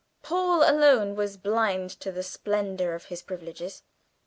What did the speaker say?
Paul alone was blind to the splendour of his privileges.